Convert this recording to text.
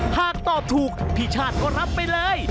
หากตอบถูกพี่ชาติก็รับไปเลย